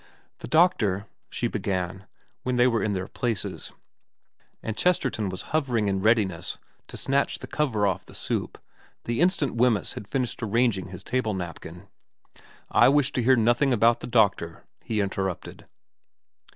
' The doctor ' she began, when they were in their places, and Chesterton was hovering in readiness to snatch the cover off the soup the instant Wemyss had finished arranging his table napkin. ' I wish to hear nothing about the doctor,' he in terrupted.